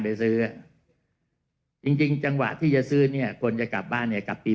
ไปซื้อจริงจริงจังหวะที่จะซื้อเนี่ยคนจะกลับบ้านเนี่ยกลับปี